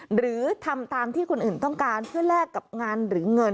หรือทำตามที่คนอื่นต้องการเพื่อแลกกับงานหรือเงิน